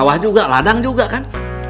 mewah juga ladang juga kan